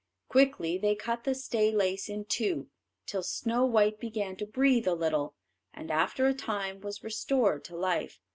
Quickly they cut the stay lace in two, till Snow white began to breathe a little, and after a time was restored to life.